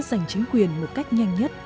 giành chính quyền một cách nhanh nhất